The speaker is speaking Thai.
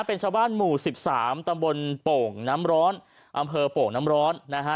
เป็นชาวบ้านหมู่สิบสามตำบลโป่งน้ำร้อนอำเภอโป่งน้ำร้อนนะฮะ